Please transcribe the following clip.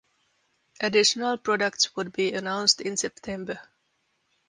Additional products would be announced in September.